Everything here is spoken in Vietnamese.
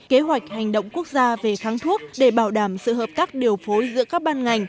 kế hoạch hành động quốc gia về kháng thuốc để bảo đảm sự hợp tác điều phối giữa các ban ngành